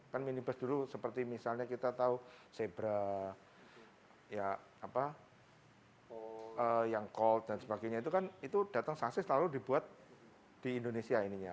kan minibus dulu seperti misalnya kita tahu zebra yang colt dan sebagainya itu kan datang sasis lalu dibuat di indonesia ini